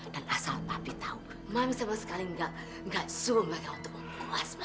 dan asal papi tahu mami sama sekali tidak suruh mereka untuk membunuh asma